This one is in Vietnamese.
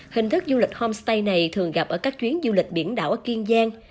hình thức du lịch homestay này thường gặp ở các chuyến du lịch biển đảo ở kiên giang